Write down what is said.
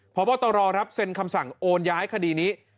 พบตรครับเซ็นคำสั่งโอนย้ายคดีนี้